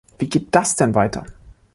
Wie geht das denn weiter?